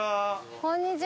こんにちは。